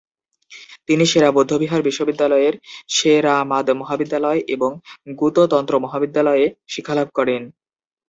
তিনি সেরা বৌদ্ধবিহার বিশ্ববিদ্যালয়ের সে-রা-মাদ মহাবিদ্যালয় এবং গ্যুতো তন্ত্র মহাবিদ্যালয়ে শিক্ষালাভ করেন।